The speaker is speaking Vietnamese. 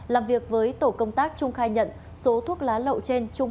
làm việc với tổ công tác trung khai nhận số thuốc lá lậu trên trung